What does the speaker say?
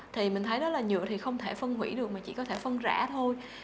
thì mình thấy đó là nhựa thì không thể phân hủy được mà chỉ có thể phân rả thôi